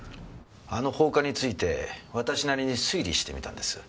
あの放火について私なりに推理してみたんです。